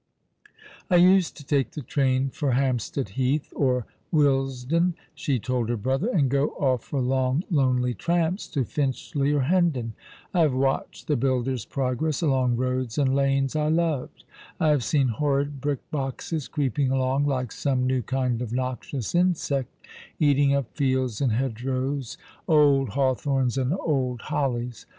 "I used to take the train for Hampstead Heath or "Willesden," she told her brother, "and go off for long, lonely tramps to Finchley or Hendon. I have watched the builder's progress along roads and lanes I loved. I have seen horrid brick boxes creeping along like some new kind of noxious insect, eating up fields and hedgerows, old hawthorns and old hollies.